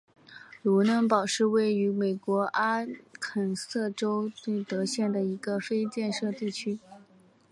卢嫩堡是位于美国阿肯色州伊泽德县的一个非建制地区。